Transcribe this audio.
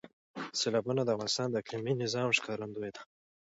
سیلابونه د افغانستان د اقلیمي نظام ښکارندوی ده.